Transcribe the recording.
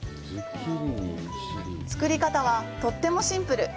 作り方はとってもシンプル。